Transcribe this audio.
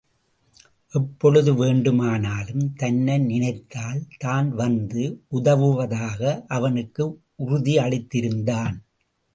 எப்பொழுது வேண்டுமானாலும் தன்னை நினைத்தால் தான் வந்து உதவுவதாக அவனுக்கு உறுதி அளித்திருந்தான்.